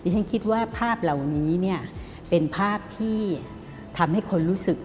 ฉันคิดว่าภาพเหล่านี้เนี่ยเป็นภาพที่ทำให้คนรู้สึก